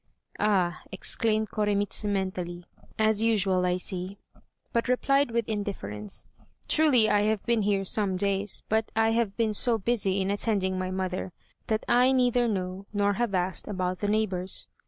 "Ah," exclaimed Koremitz mentally, "as usual, I see," but replied with indifference, "Truly I have been here some days, but I have been so busy in attending my mother that I neither know nor have asked about the neighbors."